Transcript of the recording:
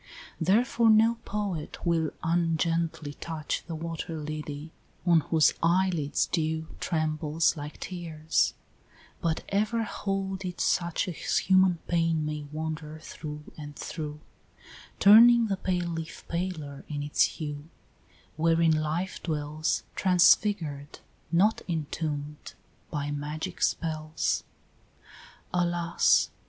XVIII. Therefore no poet will ungently touch The water lily, on whose eyelids dew Trembles like tears; but ever hold it such As human pain may wander through and through, Turning the pale leaf paler in its hue Wherein life dwells, transfigured, not entomb'd, By magic spells. Alas!